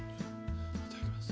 いただきます。